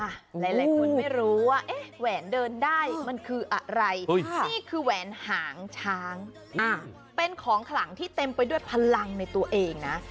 หลายคนไม่รู้ว่าแหวนเดินได้มันคืออะไรนี่คือแหวนหางช้างเป็นของขลังที่เต็มไปด้วยพลังในตัวเองนะ